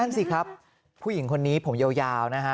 สิครับผู้หญิงคนนี้ผมยาวนะฮะ